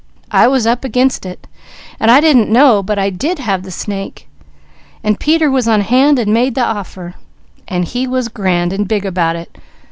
I was up against it, and I didn't know but I did have the snake, and Peter was on hand and made that offer, and he was grand and big about it.